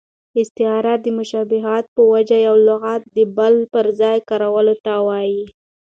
استعاره د مشابهت په وجه یو لغت د بل پر ځای کارولو ته وايي.